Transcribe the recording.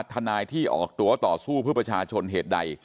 ทนายที่ออกตัวต่อสู้เพื่อประชาชนเหตุใด